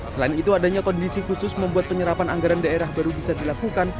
selain itu adanya kondisi khusus membuat penyerapan anggaran daerah baru bisa dilakukan